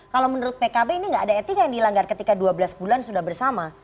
kalau menurut pkb ini nggak ada etika yang dilanggar ketika dua belas bulan sudah bersama